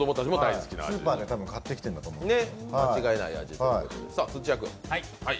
スーパーで多分買ってきてると思います。